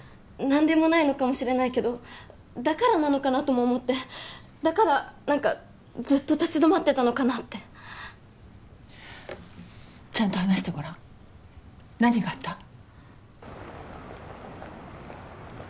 何でもないのかもしれないけどだからなのかなとも思ってだから何かずっと立ち止まってたのかなってちゃんと話してごらん何があった？